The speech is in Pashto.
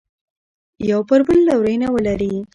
یو پر بل لورینه ولري.